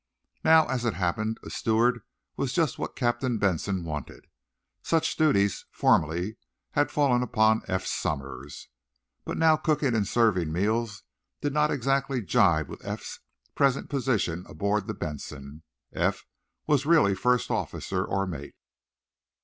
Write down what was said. Now, as it happened, a steward was just what Captain Benson wanted. Such duties, formerly, had fallen upon Eph Somers. But now cooking and serving meals did not exactly jibe with Eph's present position aboard the "Benson" Eph was really first officer or mate.